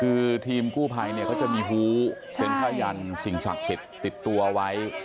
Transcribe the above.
คือทีมกู้ภัยเนี่ยเขาจะมีฮู้เป็นผ้ายันสิ่งศักดิ์สิทธิ์ติดตัวไว้